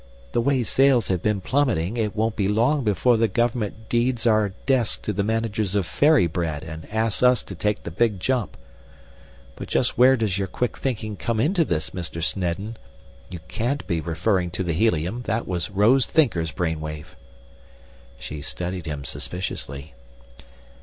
"The way sales have been plummeting, it won't be long before the Government deeds our desks to the managers of Fairy Bread and asks us to take the Big Jump. But just where does your quick thinking come into this, Mr. Snedden? You can't be referring to the helium that was Rose Thinker's brainwave." She studied him suspiciously.